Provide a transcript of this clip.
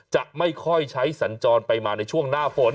จะไม่ค่อยใช้สัญจรไปมาในช่วงหน้าฝน